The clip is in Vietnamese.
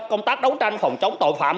công tác đấu tranh phòng chống tội phạm